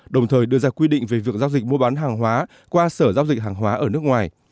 đồng thời đưa ra quy định về việc giao dịch mua bán hàng hóa qua sở giao dịch hàng hóa ở nước ngoài